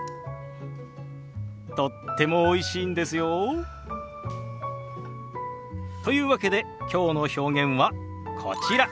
とってもおいしいんですよ。というわけできょうの表現はこちら。